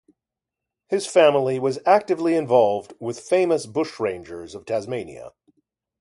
His family was actively involved with famous bushrangers of Tasmania.